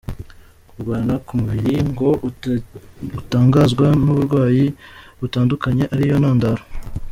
kurwana k’umubiri ngo utangazwa n’uburwayi butandukanye, ariyo ntandaro